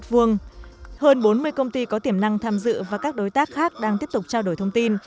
hơn bốn mươi công ty có tiềm năng tham dự và các đối tác khác đang tiếp tục trao đổi thông tin